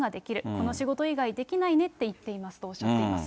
この仕事以外できないねって言っていますとおっしゃっています。